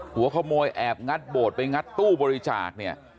หัวขโมยแอบงัดโบสถ์ไปฟ้ายอบริจาค